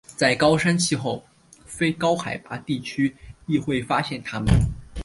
在高山气候非高海拔的地区亦会发现它们。